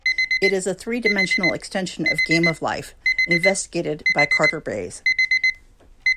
It is a three-dimensional extension of Game of Life, investigated by Carter Bays.